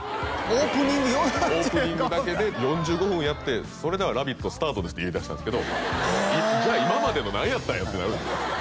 オープニングだけで４５分やってそれでは「ラヴィット！」スタートですって言いだしたんですけどじゃあ今までの何やったんや？ってなるんですよ